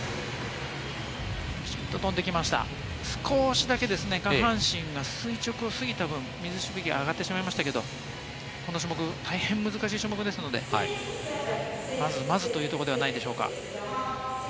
少しだけ、下半身が垂直すぎた分、水しぶきが上がってしまいましたけれども、この種目、大変難しい種目ですので、まずまずというところではないでしょうか。